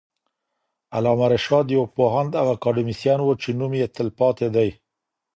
علامه رشاد یو پوهاند او اکاډمیسین وو چې نوم یې تل پاتې دی.